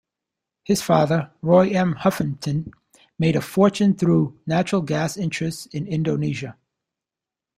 His father, Roy M. Huffington, made a fortune through natural gas interests in Indonesia.